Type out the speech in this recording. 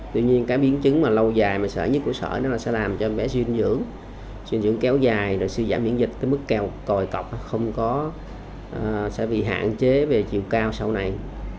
tuy nhiên cái biến chứng mà lâu dài mà sợi nhất của sợi nó sẽ làm cho em bé suyên dưỡng suyên dưỡng kéo dài rồi siêu giả miễn dịch tới mức còi cọc không có sẽ bị hạn chế về chiều cao sau này